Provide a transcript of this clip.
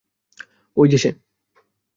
অই যে সে!